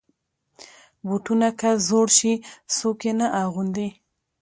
بوټونه که زوړ شي، څوک یې نه اغوندي.